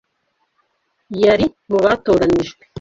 Yari mu batoranijwe.